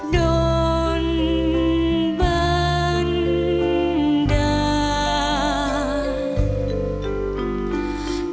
โดนบันดา